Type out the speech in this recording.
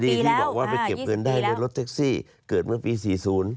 ที่บอกว่าไปเก็บเงินได้ในรถแท็กซี่เกิดเมื่อปี๔๐